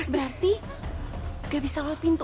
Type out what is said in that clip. berarti nggak bisa luar pintu